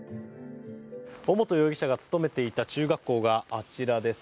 尾本容疑者が勤めていた中学校があちらです。